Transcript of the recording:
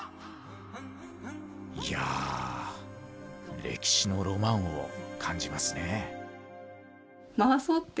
いや歴史のロマンを感じますね。